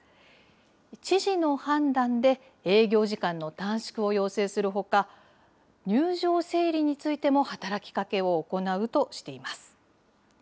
知事の判断で営業時間の短縮を要請するほか、入場整理についても働きかけを行うとしています。